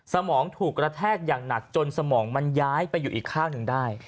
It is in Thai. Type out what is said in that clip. สมองถูกกระแทกอย่างหนักจนสมองมันย้ายไปอยู่อีกข้างหนึ่งได้